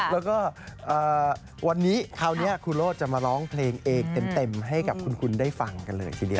แล้วก็วันนี้คราวนี้ครูโรธจะมาร้องเพลงเองเต็มให้กับคุณได้ฟังกันเลยทีเดียว